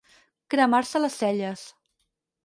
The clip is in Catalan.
Cremar-se les celles.